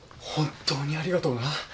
本当にありがとうな。